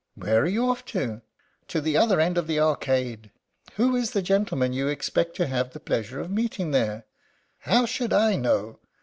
"Where are you off to?" "To the other end of the Arcade." "Who is the gentleman you expect to have the pleasure of meeting there?" "How should I know?"